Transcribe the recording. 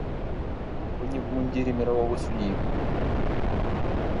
Вы не в мундире мирового судьи.